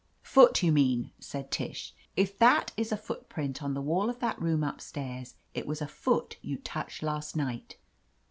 "Foot, you mean," said Tish. "If that is a footprint on the wall of that room up stairs, it was a foot you touched last night."